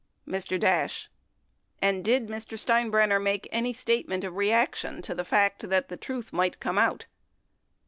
Mr. Dash. And did Mr. Steinbrenner make any statement of reaction to the fact that the truth might come out?